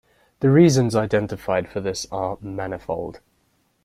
The reasons identified for this are manifold.